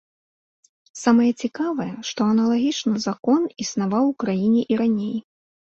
Самае цікавае, што аналагічны закон існаваў у краіне і раней.